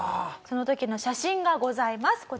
その時の写真がございます。